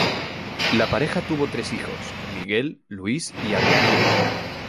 La pareja tuvo tres hijos: Miguel, Luis y Ana María.